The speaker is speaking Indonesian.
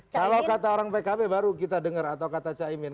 kalau kata orang pkb baru kita dengar atau kata caimin